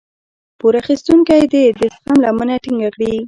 پور اخيستونکی دې د زغم لمنه ټينګه کړي.